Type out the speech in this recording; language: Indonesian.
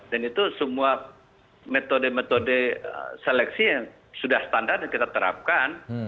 dan itu semua metode metode seleksi yang sudah standar dan kita terapkan